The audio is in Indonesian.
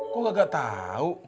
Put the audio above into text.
kok gak tau